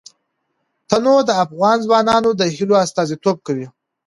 تنوع د افغان ځوانانو د هیلو استازیتوب کوي.